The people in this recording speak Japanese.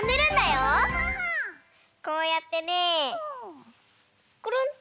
こうやってねくるん。